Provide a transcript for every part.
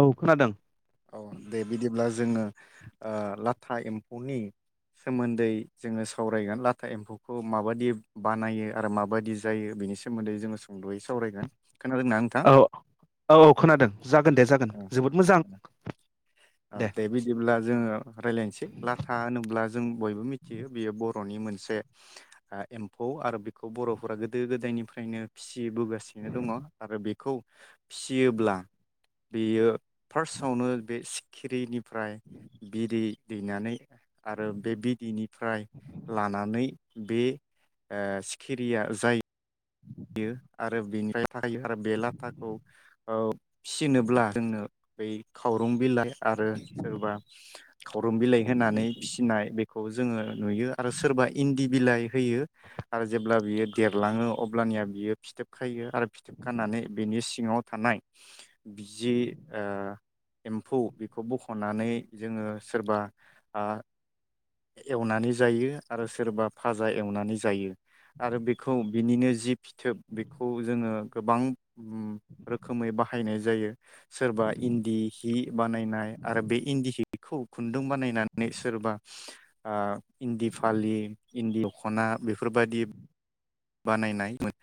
औ खोनादों। औ दे बिदिब्ला जोङो लाथा एम्फौनि सोमोन्दै जोङो सावरायगोन लाथा एम्फौखौ माबायदि बानायो आरो माबायदि जायो बेनि सोमोन्दै जोङो सुंद'यै सावरायगोन। खोनादोंना नोंथां? औ औ औ खोनादों जागोन दे जागोन ओ जोबोद मोजां। दे बिदिब्ला जोङो रायज्लायनोसै लाथा होनोब्ला जों बयबो मिथियो बेयो बर' मोनसे एम्फौ आरो बेखौ बर'फोरा गोदो गोदायनिफ्रायनो फिसि बोगासिनो दङ आरो बे खौ फिसियोब्ला बेयो फार्स्टआवनो बे खिरैनि ओमफ्राय बिदै दैनानै आरो बे बिदैनिफ्राय लानानै बे सिखिरिया जाय यो आरो बेनिफ्राय थाखायो आरो बे लाथाखौ फिसिनोब्ला जोंनो बै खावरं बिलाइ आरो सोरबा खारुम बिलाइ होनानै फिसिनाय बे खौ जोङो नुयो आरो सोरबा इन्दि बिलाइ होयो आरो जेब्ला बियो देरलाङो अ ब्लानिया बियो फिथोबखायो आरो फिथोबखानानै बिनि सिङाव थानाय जि एम्फौ बेखौ बख'नानै जोङो सोरबा एवनानै जायो आरो सोरबा फाजा एवनानै जायो आरो बेखौ बिनिनो जि फिथोब बेखौ जोङो गोबां रोखोमै बाहायनाय जायो सोरबा इन्दि हि बानायनाय आरो बे इन्दि हिखौ खुन्दुं बानायनानै सोरबा ओ इन्दि फालि इन्दि दख'ना बेफोरबायदि बानायनायमोन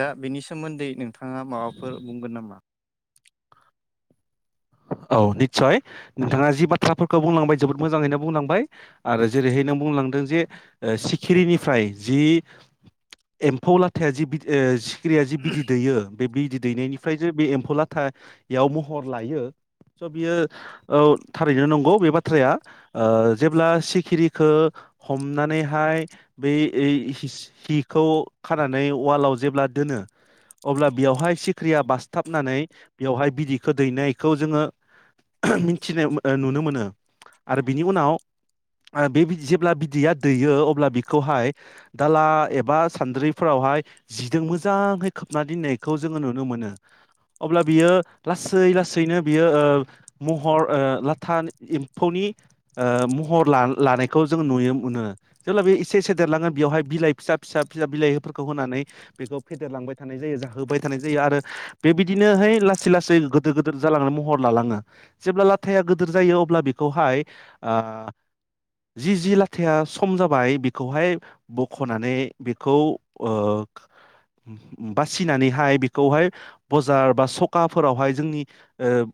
दा बेनि सोमोन्दै नोंथाङा माबाफोर बुंगोन नामा? औ निस्सय नोंथाङा जि बाथ्राफोरखौ बुंलांबाय जोबोद मोजाङैनो बुंलांबाय आरो जेरैहाय नों बुंलांदों जे सिखिरिनिफ्राय जि एम्फौ लाथाया जि सिखिरिया जि बिदै दैयो बे बिदै दैनायनिफ्राय जो बे एम्फौ लाथा याव महर लायो स' बियो औ थारैनो नंगौ बे बाथ्राया ओ जेब्ला सिखिरिखौ हमनानैहाय बै हिखौ खाना नै वालाव जेब्ला दोनो अब्ला बेवहाय सिख्रिया बासथाबनानै बेवहाय बिदैखौ दैनायखौ जोङो मिथिनाय नुनो मोनो आरो बिनि उनाव बे जेब्ला बिदैया दैयो अब्ला बिखौहाय दाला एबा सान्द्रिफोरावहाय जिजों मोजाङै खोबना दोननायखौ जोङो नुनो मोनो अब्ला बियो लासै लासैनो बियो ओ महर ओ लाथा एम्फौनि महर लानायखौ ओ जों नुनो मोनो जेब्ला बेयो इसे इसे देरलाङो बेयावहाय बिलाइ फिसा फिसा फिसा बिलाइफोरखौ होनानै बेखौ फेदेरलांबाय थानाय जायो जाहोबाय थानाय जायो आरो बेबायदिनोहाय लासै लासै गोदोर गिदोर जालाङो महर लालाङो जेब्ला लाथाया गोदोर जायो अब्ला बेखौहाय ओ जि जि लाथाया सम जाबाय बेखौहाय बख'नानै बेखौ ओ बासिनानैहाय बेखौहाय बजार बा सखाफोरावहाय जोंनि ओ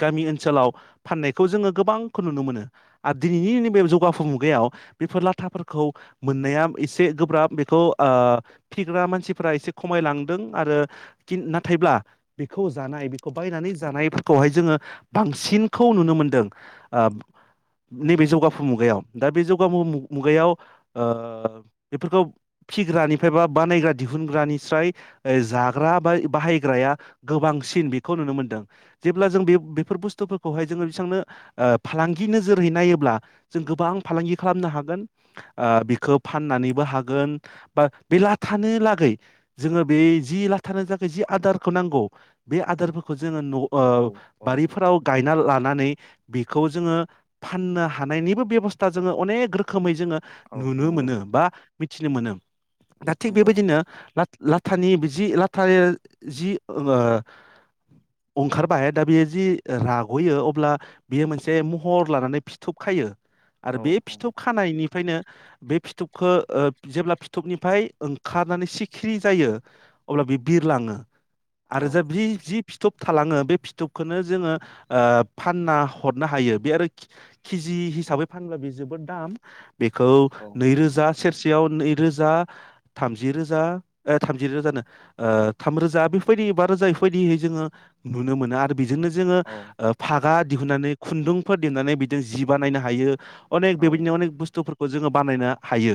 गामि ओनसोलाव फाननायखौ जोङो गोबांखौ नुनो मोनो आरो दिनैनि नैबे जौगाफु मुगायाव बेफोर लाथाफोरखौ मोननाया एसे गोब्राब बेखौ ओ फिग्रा मानसिफोरा एसे खमायलांदों आरो किन ना थायब्ला बेखौ जानाय बेखौ बायनानै फोरखौहाय जोङो बांसिनखौ नुनो मोनदों आ नैबे जौगाफु मुगायाव दा बे जौगाफु मु मुगायाव ओ बेफोरखौ फिग्रानिफ्राय बा बानायग्रा दिहुनग्रानिस्राय जाग्रा बाय-बाहायग्राया गोबांसिन बेखौ नुनो मोनदों जेब्ला जों बे बेफोर बुस्थुफोरखौहाय जोङो बेसोंनो ओ फालांगि नोजोरै नायोब्ला जों गोबां फालांगि खालामनो हागोन आ बेखो फाननानैबो हागोन बा बेलाथानो लागै जोङो बे जि लाथानो थाखाय जि आदारखौ नां गौ बे आदारफोरखौ जोङो न' औ ओं औ बारिफोराव गायना लानानै बेखौ जोङो फाननो हानायनिबो बेबस्था जोङो अनेक रोखोमै जोङो औ नुनो नंगौ मोनो बा मिथिनो मोनो दा थिग नंगौ बेबायदिनो ला लाथानि बिजि लाथायो जि ओमो अंखारबाय दा बेयो जि राग'यो अब्ला बियो मोनसे महर लानानै फिथोब खायो आरो औ बे औ फिथोब खानायनिफ्रायनो बे फिथुबखो ओ जेब्ला फिथुबनिफ्राय ओंखारनानै सिखिरि जायो अब्ला बे बिरलाङो औ आरो जाब जि जिब थालाङो बे फिथुबखोनो जोङो ओ फानना हरनो हायो बे आरो खि-खिजि हिसाबै फानब्ला बे जोबोद दाम बेखौ औ नैरोजा सेरसेयाव नैरोजा थामजि रोजा ओ थामजि रोजानो ओ थामरोजा बेफोरबायदि बा रोजा बेफोरबायदियै जोङो नुनो मोनो आरो बेजोंनो जोङो औ ओ फागा दिहुननानै खुन्दुंफोर देनानै बिजों जि बानायनो हायो अनेक औ बेबायदिनो अनेक बुस्थुफोर खौ जोङो बानायनो हायो।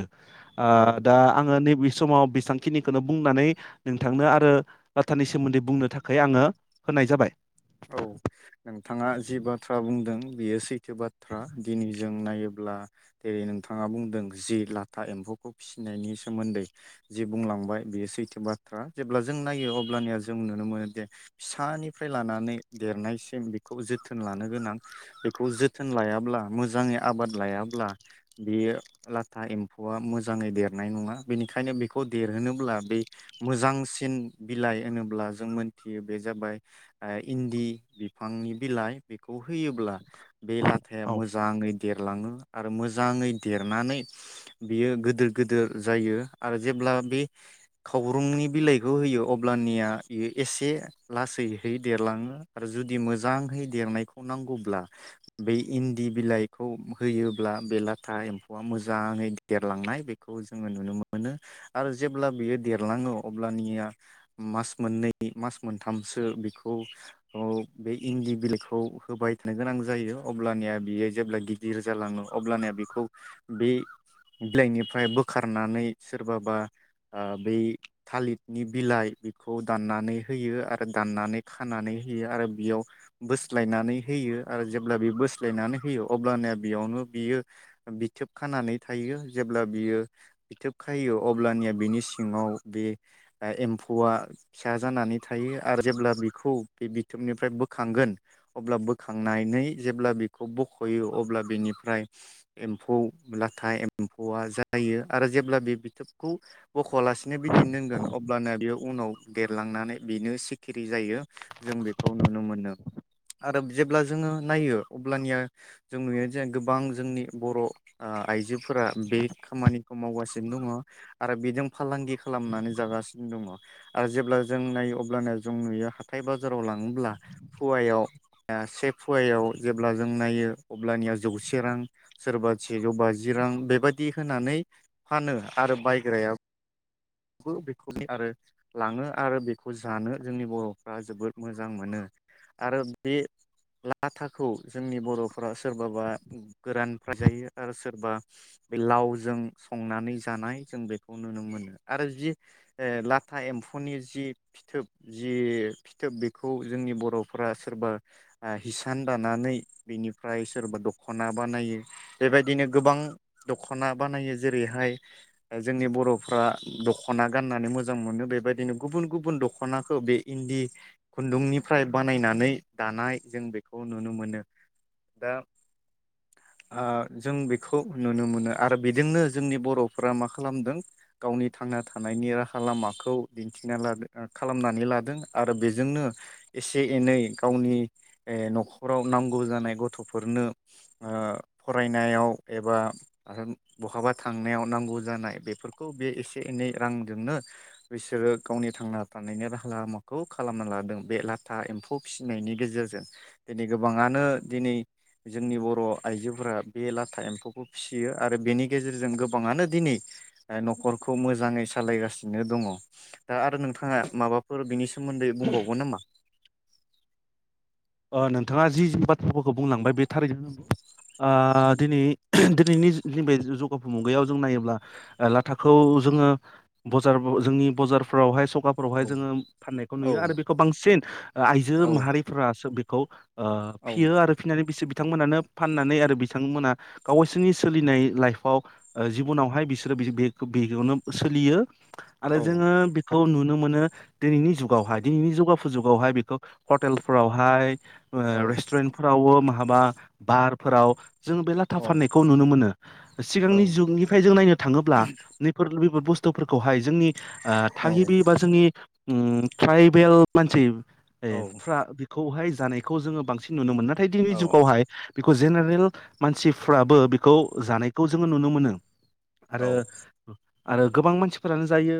औ ओ दा आङो नैबे समाव बेसांखिनिखोनो बुंनानै नोंथांनो आरो लाथानि सोमोन्दै बुंनो थाखाय आङो होनाय जाबाय। औ नोंथाङा जि बाथ्रा बुंदों बेयो सैथो बाथ्रा दिनै जों नायोब्ला जेरै नोंथाङा बुंदों जि लाथा एम्फौखौ फिसिनायनि सोमोन्दै जि बुंलांबाय बियो सैथो बाथ्रा जेब्ला जों नायो अब्लानिया जों नुनो मोनोदिे फिसानिफ्राय लानानै देरनायसिम बेखौ जोथोन लानो गोनां बेखौ जोथोन लायाब्ला मोजाङै आबाद लायाब्ला बेयो लाथा एम्फौआ मोजाङै देरनाय नङा बेनिखायनो बेखौ देरहोनोब्ला बे मोजांसिन बिलाइ होनोब्ला जों मोनथियो बे जाबाय ओ इन्दि बिफांनि बिलाइ बेखौ होयोब्ला बे लाथाया औ मोजाङै देरलाङो आरो मोजाङै देरनानै बियो गोदोर गोदोर जायो आरो जेब्ला बे खावरुंनि बिलाइखौ होयो अब्लानिया बेयो एसे लासैहै देरलाङो आरो जुदि मोजाङै देरनायखौ नांगौब्ला बे इन्दि बिलाइखौ होयोब्ला बे लाथा एम्फौआ मोजाङै देरलांनाय बेखौ जोङो नुनो मोनो आरो जेब्ला बेयो देरलाङो अब्लानिया मास मोननै मास मोनथामसो बे- खौ औ बे इन्दि बिलाइखौ होबाय थानो गोनां जायो अब्लानिया बेयो जेब्ला गिदिर जालाङो अब्लानिया बेखौ बे बिलाइनिफ्राय बो- खारनानै सोरबाबा आ बै थालिरनि बिलाइ बेखौ दाननानै होयो आरो दाननानै खानानै होयो आरो बियाव बोस्लायनानै होयो आरो जेब्ला बि बोस्लायनानै होयो अब्लानिया बेयावनो बियो बिथोब खानानै थायो जेब्ला बियो बिथोब खायो अब्लानिया बिनि सिङाव बे एम्फौआ फिसा जानानै थायो आरो जेब्ला बि- खौ बे बिथोबनिफ्राय बोखांगोन अब्ला बोखांनानै जेब्ला बेखौ बख'यो अब्ला बेनिफ्राय एम्फौ लाथा एम्फौआ जायो आरो जेब्ला बे बिथोबखौ बख'आलासिनो बिदैयैनो दोनगोन अब्लाना बेयाव उनाव देरलांनानै बिनो सिखिरि जायो। जों बेखौ नुनो मोनो आरो जेब्ला जोङो नायो अब्लानिया जों नुयो जे गोबां जोंनि बर' आ-आइजोफोरा बे खामानिखौ मावगासिनो दङ। आरो बेजों फालांगि खालामनानै जागासिनो दङ आरो जेब्ला जों नायो अब्लाना जों नुयो हा- [unintelligible] बाजाराव लाङोब्ला फयायाव से फयायाव जेब्ला जों नायो अब्लानिया जौसे रां सोरबा सेजौ बाजि रां बेबायदि होनानै फानो आरो बायग्रायाबो बेखौ आरो लाङो आरो बेखौ जानो जोंनि बर' फ्रा जोबोद मोजां मोनो आरो बे लाथाखौ जोंनि बर'फोरा सोरबाबा गोरानफ्राय जायो आरो सोरबा बे लावजों संनानै जानाय जों बेखौ नुनो मोनो आरो जि लाथा एम्फौनि जि फिथोब जि फिथोब बेखौ जोंनि बर'फ्रा सोरबा हिसान दानानै बिनिफ्राय सोरबा दख'ना बानायो बेबायदिनो गोबां दख'ना बानायो जेरैहाय जोंनि बर'फ्रा दख'ना गाननानै मोजां मोनो बेबायदिनो गुबुन गुबुन दख'नाखौ बे इन्दि खुन्दुंनिफ्राय बानायनानै दानाय जों बेखौ नुनो मोनो दा जों बेखौ नुनो मोनो आरो बेजोंनो जोंनि बर'फोरा मा खालामदों गावनि थांना थानायनि राहा लामाखौ दिन्थिना लादों खालामनानै लादों। आरो बेजोंनो एसे एनै गावनि न'खराव नांगौ जानाय गथ'फोरनो फरायनायाव एबा बहाबा थांनायाव नांगौ जानाय बेफोरखौ बे एसे एनै रांजोंनो बिसोरो गावनि थांना थानायनि राहा लामाखौ खौ खालामना लादों बे लाथा एम्फौ फिसिनायनि गेजेरजों दिनै गोबाङानो दिनै जोंनि बर' आइजोफोरा बे लाथा एम्फौखौ फिसियो आरो बेनि गेजेरजों गोबाङानो दिनै न'खरखौ मोजाङै सालायगासिनो दङ दा आरो नोंथाङा माबाफोर बिनि सोमोन्दै सोमोन्दै बुंबावगोन नामा? नोंथाङा जि बाथ्राफोरखौ बुंलांबाय बे थारैनो नंगौ दिनै दिनैनि नैबे जौगाफु मुगायाव जों नायोब्ला लाथाखौ जोङो बजार जोंनि बजारफ्रावहाय औ फोरावहाय जोङो फाननायखौ औ नुयो आरो बेखौ बांसिन आइजो औ माहारिफोरा बेखौ औ फियो आरो फिनानै बेस बिथांमोनानो फाननानै आरो बिथांमोना गावसोरनि सोलिनाय लाइफआव जिबनावहाय बिसोरो बेयावनो सोलियो। आरो औ जोङो बेखौ नुनो मोनो। मोनो दिनैनि जुगावहाय दिनैनि जौगाफु जुगावहाय बेखौ हटेलफोराव हाय औ रेस्टुरेन्टफोरावबो हाबा बाहारफोराव जों बे लाथा औ फाननायखौ नुनो मोनो औ सिगांनि जुगनिफ्राय जों नायनो थाङोब्ला नैफोर बुसथु थुफोरखौहाय जोंनि ओ औ थागिबि बा जोंनि उम ट्राइबेल मानसि। [unintelligible] हाय जानायखौ जोङो बांसिन नुनो मोनो। नाथाय दिनैनि औ जुगावहाय खौ जेनेरेल मानसि फ्राबो बेखौ जानायखौ। जोङो नुनो मोनो। आरो आरो गोबां मानसिफोरानो जायो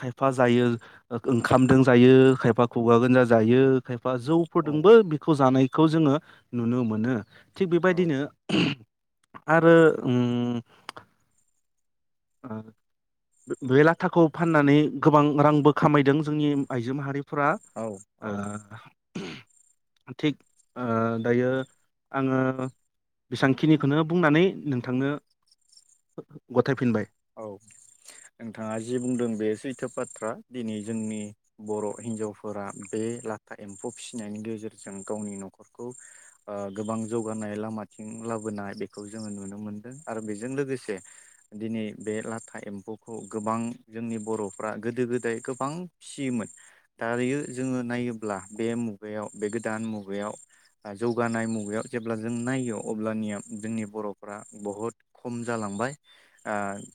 खायफा जायो ओंखामजों जायो खायफा खुगा गोजा जायो खायफा फोरजोंबो बिखौ जानाय। खौ जोङो नुनो मोनो। थिग औ बेबायदिनो। आरो ओम। बे लाथाखौ फाननानै गोबां रांबो खामायदों जोंनि आइजो माहारि फोरा औ ओ थिग ओ दायो आङो बेसांखिनिखौनो बुंनानै नोंथांनो गथायफिनबाय। औ नोंथाङा जि बुंदों बे सैथो बाथ्रा दिनै जोंनि बर' हिन्जावफोरा बे लाथा एम्फौ फिसिनायनि गेजेरजों गावनि न'खरखौ ओ गोबां जौगानाय लामाथिं लाबोनाय बेखौ जोङो नुनो मोनदों आरो बेजों लोगोसे दिनै बे लाथा एम्फौखौ गोबां जोंनि बर'फ्रा गोदो गोदाय गोबां फिसियोमोन दायो जोङो नायोब्ला बे मुगायाव बे गोदान मुगायाव जौगानाय मुगायाव जेब्ला जों नायो अब्लानिया जोंनि बर'फ्रा बहुद खम जालांबाय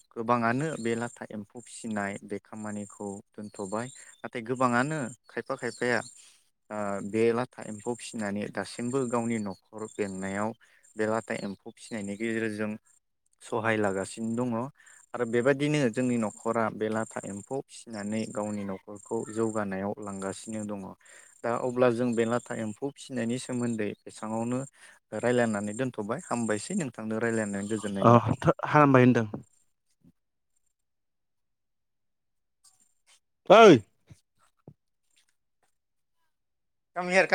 ओ गोबाङानो बे लाथा एम्फौ फिसिनाय बे खामानिखौ दोनथ'बाय नाथाय गोबाङानो खायफा खायफाया ओ बे लाथा एम्फौ फिसिनानै दासिमबो गावनि न'खर बेंनायाव बे लाथा एम्फौ फिसिनायनि गेजेरजों सहाय लागासिनो दङ'। आरो बेबायदिनो जोंनि न'खरा बे लाथा एम्फौ फिसिनानै गावनि न'खरखौ जौगानायाव लांगासिनो दङ दा अब्ला जों बे लाथा एम्फौ फिसिनायनि सोमोन्दै बेसेबांवनो रायलायनानै दोन्थ'बाय हामबायसै नों [unintelligible] हामबाय होनदो। ऐ। [unintelligible]